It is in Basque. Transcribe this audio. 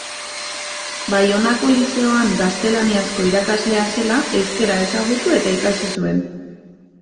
Baionako lizeoan gaztelaniazko irakaslea zela, euskara ezagutu eta ikasi zuen.